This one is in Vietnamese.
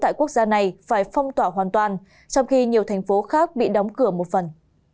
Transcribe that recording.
tại quốc gia này phải phong tỏa hoàn toàn trong khi nhiều thành phố khác bị đóng cửa một phần